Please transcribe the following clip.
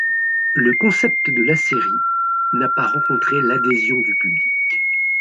Le concept de la série n’a pas rencontré l’adhésion du public.